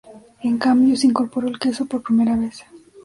En cambio, se incorporó el queso por primera vez.